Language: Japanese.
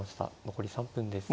残り３分です。